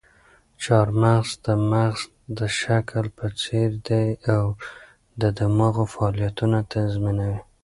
چهارمغز د مغز د شکل په څېر دي او د دماغو فعالیتونه تنظیموي.